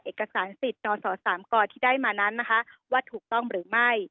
เอกสารสิทธิ์นศ๓กที่ได้มานั้นนะคะว่าถูกต้องหรือไม่